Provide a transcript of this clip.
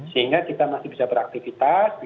sehingga kita masih bisa beraktivitas